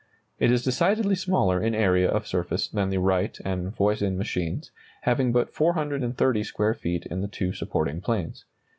It is decidedly smaller in area of surface than the Wright and Voisin machines, having but 430 square feet in the two supporting planes.